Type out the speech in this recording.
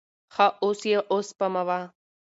ښه اوس یې اوسپموه.